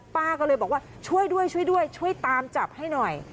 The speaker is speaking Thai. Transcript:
ป้าก็เลยบอกว่าช่วยด้วยช่วยด้วยช่วยตามจับให้หน่อย